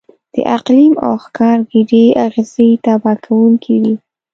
د اقلیم او ښکار ګډې اغېزې تباه کوونکې وې.